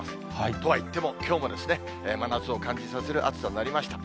とはいっても、きょうもですね、真夏を感じさせる暑さになりました。